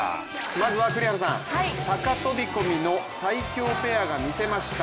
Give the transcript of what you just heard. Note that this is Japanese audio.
まずは栗原さん、高飛び込みの最強ペアが見せました。